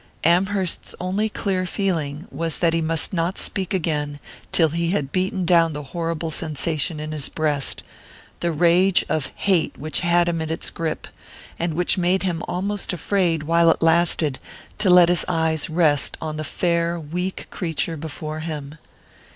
Amherst's only clear feeling was that he must not speak again till he had beaten down the horrible sensation in his breast the rage of hate which had him in its grip, and which made him almost afraid, while it lasted, to let his eyes rest on the fair weak creature before him.